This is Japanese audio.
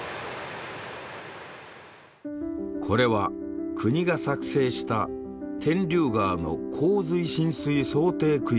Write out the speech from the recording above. これは国が作成した天竜川の洪水浸水想定区域図。